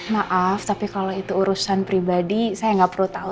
maaf tapi kalau itu urusan pribadi saya nggak perlu tahu